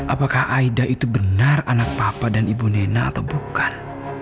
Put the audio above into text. apakah aida itu benar anak papa dan ibu nena atau bukan